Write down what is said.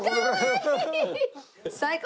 最高！